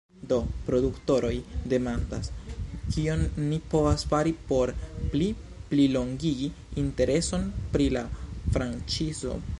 Do produktoroj demandas; kion ni povas fari por pli plilongigi intereson pri la franĉizo?